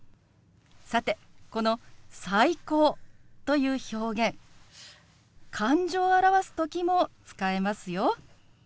さてこの「最高」という表現感情を表す時も使えますよ。